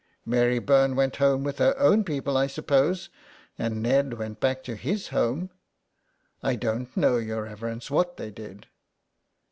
'' Mary Byrne went home with her own people, I suppose, and Ned went back to his home." " I don' know, your reverence, what they did."